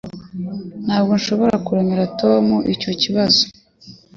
Ntabwo nshobora kuremerera Tom icyo kibazo